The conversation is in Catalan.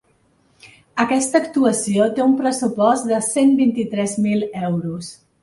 Aquesta actuació té un pressupost de cent vint-i-tres mil euros.